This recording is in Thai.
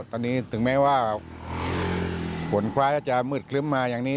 ตอนนี้ถึงแม้ว่าฝนคว้าก็จะมืดครึ้มมาอย่างนี้